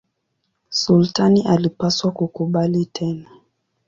Sultani alipaswa kukubali tena.